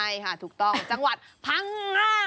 ใช่ค่ะถูกต้องจังหวัดพังงา